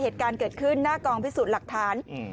เหตุการณ์เกิดขึ้นหน้ากองพิสูจน์หลักฐาน